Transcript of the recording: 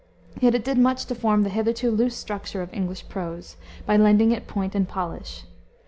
Yet it did much to form the hitherto loose structure of English prose, by lending it point and polish.